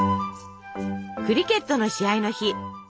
クリケットの試合の日。